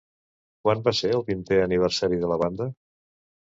Quan va ser el vintè aniversari de la banda?